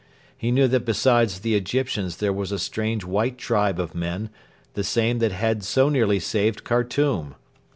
He knew that besides the Egyptians there was a strange white tribe of men, the same that had so nearly saved Khartoum.